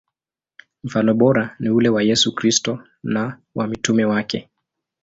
Mfano bora ni ule wa Yesu Kristo na wa mitume wake.